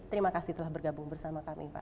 terima kasih telah bergabung bersama kami pak